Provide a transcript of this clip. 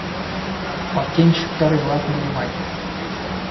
БАКЕНЩИКТАР ИЛАҠ БУЛМАЙ